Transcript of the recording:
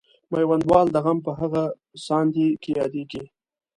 میوندوال د غم په هغه ساندې کې یادیږي.